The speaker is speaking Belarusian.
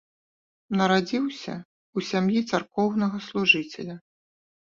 Нарадзіўся ў сям'і царкоўнага служыцеля.